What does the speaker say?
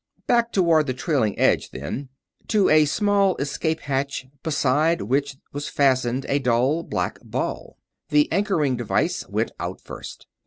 Back toward the trailing edge then, to a small escape hatch beside which was fastened a dull black ball. The anchoring devices went out first.